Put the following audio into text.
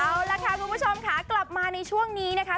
เอาล่ะค่ะคุณผู้ชมค่ะกลับมาในช่วงนี้นะคะ